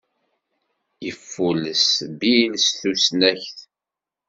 Yeffulles Bil s tusnakt.